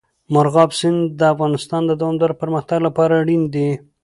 مورغاب سیند د افغانستان د دوامداره پرمختګ لپاره اړین دي.